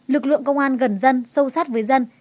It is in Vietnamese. lực lượng công an gần dân sâu sát với dân